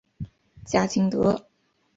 贾景德。